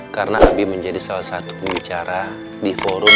karena abi menjadi salah satu pembicara di forum